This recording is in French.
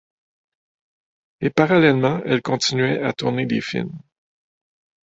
Et parallèlement, elle continuait à tourner des films.